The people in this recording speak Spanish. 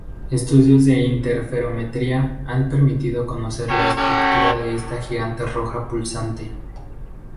Estudios de interferometría han permitido conocer la estructura de esta gigante roja pulsante.